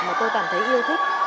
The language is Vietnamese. mà tôi cảm thấy yêu thích